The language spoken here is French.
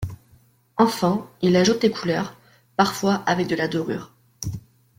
Enfin, il ajoute les couleurs, parfois avec de la dorure.